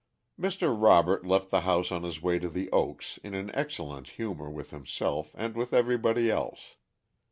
_ Mr. Robert left the house on his way to The Oaks in an excellent humor with himself and with everybody else.